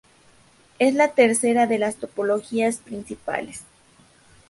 Es la tercera de las topologías principales.